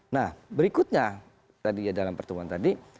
nah berikutnya dalam pertemuan tadi